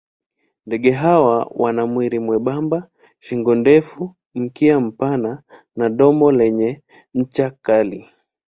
Ndege hawa wana mwili mwembamba, shingo ndefu, mkia mpana na domo lenye ncha kali.